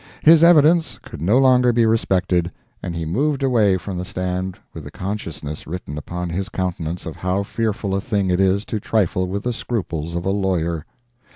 His evidence could no longer be respected, and he moved away from the stand with the consciousness written upon his countenance of how fearful a thing it is to trifle with the scruples of a lawyer.